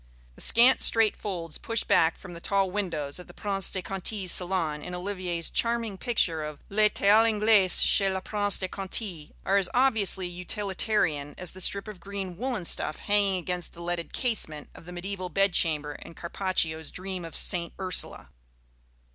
The scant straight folds pushed back from the tall windows of the Prince de Conti's salon, in Olivier's charming picture of "Le Thé à l'Anglaise chez le Prince de Conti," are as obviously utilitarian as the strip of green woollen stuff hanging against the leaded casement of the mediæval bed chamber in Carpaccio's "Dream of St. Ursula."